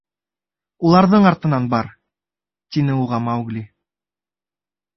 — Уларҙың артынан бар, — тине уға Маугли.